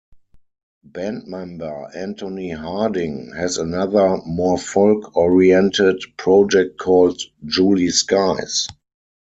Band member Antony Harding has another more folk-oriented project called July Skies.